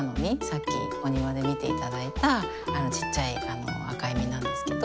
さっきお庭で見て頂いたあのちっちゃい赤い実なんですけど。